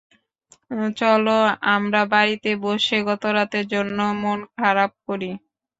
চলো, আমরা বাড়িতে বসে গতরাতের জন্য মন খারাপ করি।